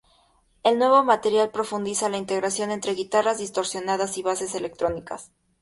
El nuevo material profundiza la integración entre guitarras distorsionadas y bases electrónicas.